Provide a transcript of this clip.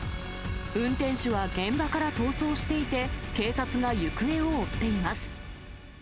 運転手は現場から逃走していて、警察が行方を追っています。